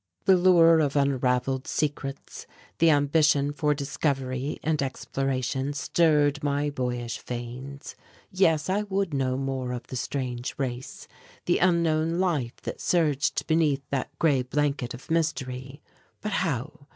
The lure of unravelled secrets, the ambition for discovery and exploration stirred my boyish veins. Yes, I would know more of the strange race, the unknown life that surged beneath that grey blanket of mystery. But how?